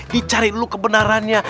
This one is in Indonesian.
dicari dulu kebenarannya